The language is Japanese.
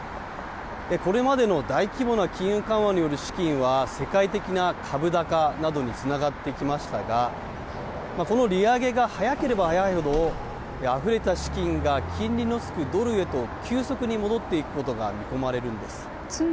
これまでの大規模な金融緩和による資金は、世界的な株高などにつながってきましたが、この利上げが早ければ早いほど、あふれた資金が金利のつくドルへと急速に戻っていくことが見込ま